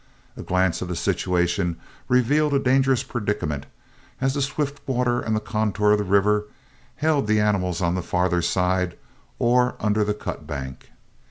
A glance at the situation revealed a dangerous predicament, as the swift water and the contour of the river held the animals on the farther side or under the cut bank.